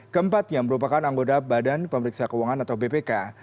keempatnya merupakan anggota badan pemeriksa keuangan atau bpk